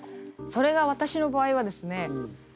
それが私の場合はですね